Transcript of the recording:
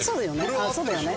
そうだよね。